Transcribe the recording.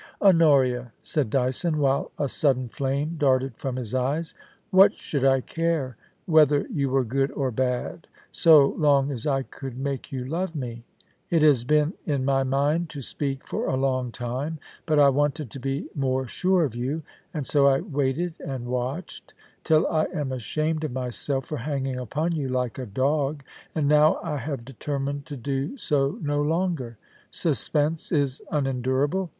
* Honoria,' said Dyson, while a sudden flame darted from his eyes, ' what should I care whether you were good or bad, so long as I could make you love me ? It has been in my mind to speak for a long time ; but I wanted to be more sure of you — and so I waited and watched, till I am ashamed of myself for hanging upon you like a dog ; and now I have determined to do so no longer. Suspense is unendurable.